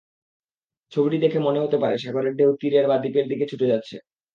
ছবিটি দেখে মনে হতে পারে সাগরের ঢেউ তীরের বা দ্বীপের দিকে ছুটে যাচ্ছে।